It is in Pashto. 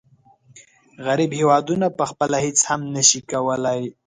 غریب هېوادونه پخپله هیڅ هم نشي کولای.